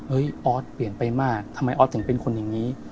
ออสเปลี่ยนไปมากทำไมออสถึงเป็นคนอย่างนี้